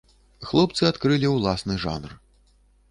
Хлопцы адкрылі ўласны жанр.